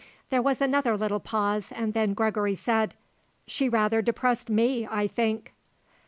There was another little pause and then Gregory said: "She rather depressed me, I think."